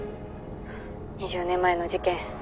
２０年前の事件